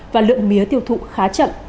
và lượng mía tiêu thụ khá chậm